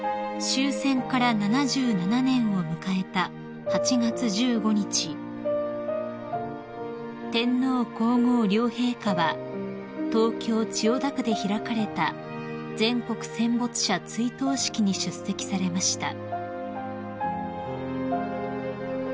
［終戦から７７年を迎えた８月１５日天皇皇后両陛下は東京千代田区で開かれた全国戦没者追悼式に出席されました］